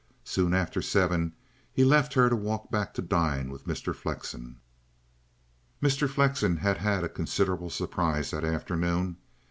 Soon after seven he left her to walk back to dine with Mr. Flexen. Mr. Flexen had had a considerable surprise that afternoon.